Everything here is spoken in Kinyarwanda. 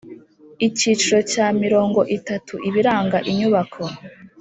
Icyiciro cya mirongo itatu Ibiranga inyubako